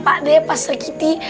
pak deh pas segitu